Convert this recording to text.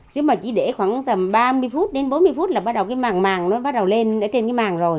chứ mà chỉ để khoảng ba mươi bốn mươi phút là bắt đầu màng màng nó bắt đầu lên trên cái màng rồi